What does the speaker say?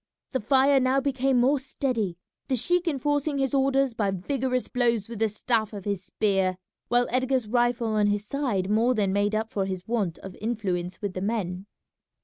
The fire now became more steady, the sheik enforcing his orders by vigorous blows with the staff of his spear, while Edgar's rifle on his side more than made up for his want of influence with the men.